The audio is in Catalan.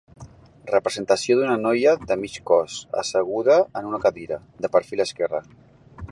Representació d'una noia de mig cos, asseguda en una cadira, de perfil esquerre.